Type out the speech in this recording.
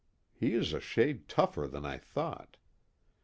_He is a shade tougher than I thought.